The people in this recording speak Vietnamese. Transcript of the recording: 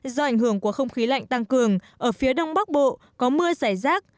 do ảnh hưởng của không khí lạnh tăng cường ở phía đông bắc bộ có mưa giải rác